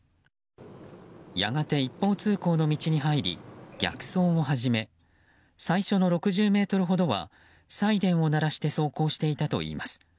やがて一方通行の道に入り逆走を始め最初の６０ｍほどはサイレンを鳴らして走行していたといいます。